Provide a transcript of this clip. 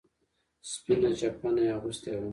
سپينه چپنه يې اغوستې وه.